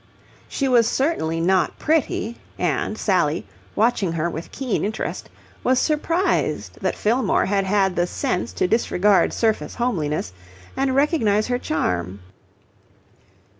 She was certainly not pretty, and Sally, watching her with keen interest, was surprised that Fillmore had had the sense to disregard surface homeliness and recognize her charm.